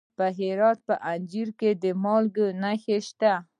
د هرات په انجیل کې د مالګې نښې شته.